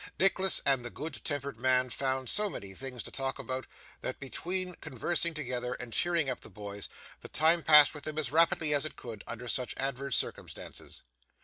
Nicholas and the good tempered man found so many things to talk about, that between conversing together, and cheering up the boys, the time passed with them as rapidly as it could, under such adverse circumstances.